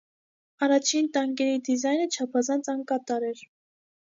Առաջին տանկերի դիզայնը չափազանց անկատար էր։